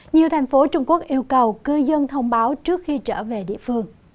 nhiều thành phố trung quốc yêu cầu cư dân thông báo trước khi trở về địa phương